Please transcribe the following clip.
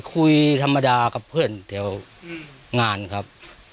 คุยธรรมดากับเพื่อนแถวงานครับ